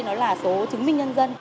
nó là số chứng minh nhân dân